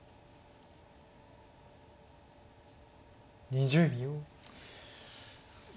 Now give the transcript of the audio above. ２０秒。